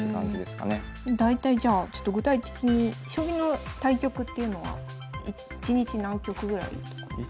大体じゃあちょっと具体的に将棋の対局っていうのは１日何局ぐらいとかですか？